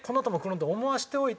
って思わせておいて